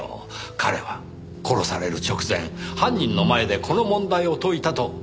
彼は殺される直前犯人の前でこの問題を解いたと考えられます。